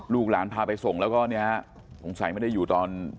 ลูกหลานพาไปส่งแล้วก็เนี่ยสงสัยไม่ได้อยู่ตอน